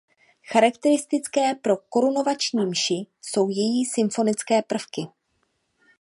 Charakteristické pro Korunovační mši jsou její symfonické prvky.